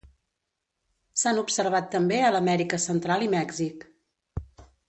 S'han observat també a l'Amèrica Central i Mèxic.